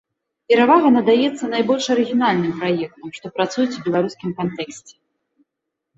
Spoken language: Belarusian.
Перавага надаецца найбольш арыгінальным праектам, што працуюць у беларускім кантэксце.